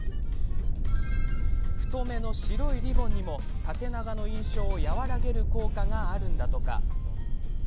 太めの白いリボンにも縦長の印象を和らげる効果があるんだとか。